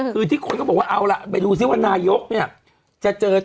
คือที่คนก็บอกว่าเอาล่ะไปดูซิว่านายกเนี่ยจะเจอ